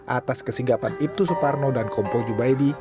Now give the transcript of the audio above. atas kesinggapan ibtu suparno dan kompol jubaidi